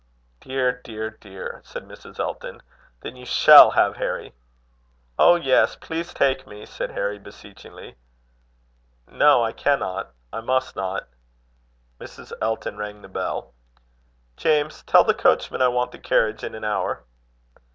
"Dear! dear! dear!" said Mrs. Elton. "Then you shall have Harry." "Oh! yes; please take me," said Harry, beseechingly. "No, I cannot. I must not." Mrs. Elton rang the bell. "James, tell the coachman I want the carriage in an hour."